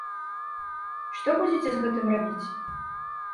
Што будзеце з гэтым рабіць?